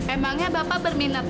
emangnya bapak benar